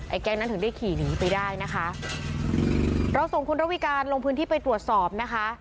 แก๊งนั้นถึงได้ขี่หนีไปได้นะคะเราส่งคุณระวิการลงพื้นที่ไปตรวจสอบนะคะ